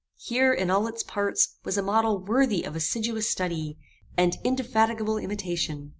Here, in all its parts, was a model worthy of assiduous study, and indefatigable imitation.